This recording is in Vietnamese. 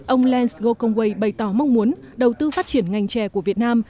ông lance gokongwei bày tỏ mong muốn đầu tư phát triển ngành chè của việt nam